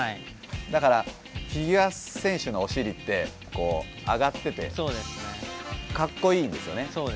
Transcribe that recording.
だからフィギュア選手のお尻って上がっててかっこいいんですよね。